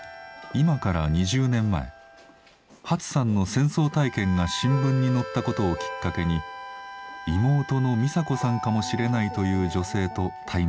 今から２０年前ハツさんの戦争体験が新聞に載ったことをきっかけに妹のミサ子さんかもしれないという女性と対面しました。